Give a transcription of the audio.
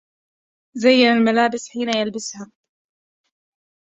زين الملابس حين يلبسها